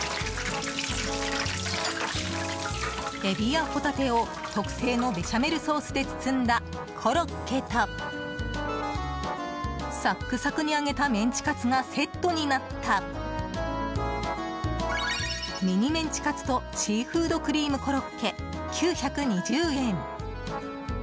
エビやホタテを特製のベシャメルソースで包んだコロッケとサックサクに揚げたメンチカツがセットになったミニメンチカツとシーフードクリームコロッケ９２０円。